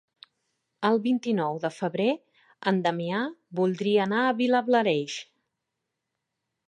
El vint-i-nou de febrer en Damià voldria anar a Vilablareix.